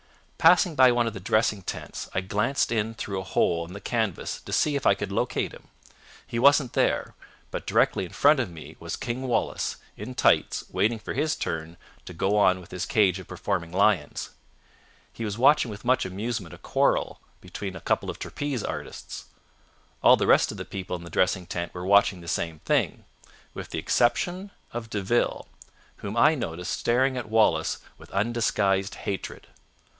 "Passing by one of the dressing tents I glanced in through a hole in the canvas to see if I could locate him. He wasn't there, but directly in front of me was King Wallace, in tights, waiting for his turn to go on with his cage of performing lions. He was watching with much amusement a quarrel between a couple of trapeze artists. All the rest of the people in the dressing tent were watching the same thing, with the exception of De Ville whom I noticed staring at Wallace with undisguised hatred.